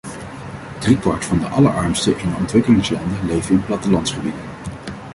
Drie kwart van de allerarmsten in ontwikkelingslanden leven in plattelandsgebieden.